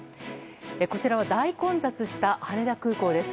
こちらは大混雑した羽田空港です。